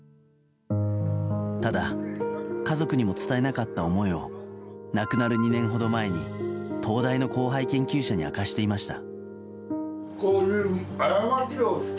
ただ、家族にも伝えなかった思いをなくなる２年ほど前に東大の後輩研究者に明かしていました。